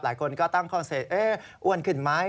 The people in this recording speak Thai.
หลายคนก็ตั้งความเศรษฐ์เอ๊ะอ้วนขึ้นไหม